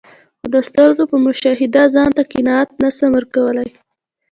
خو د سترګو په مشاهده ځانته قناعت نسم ورکول لای.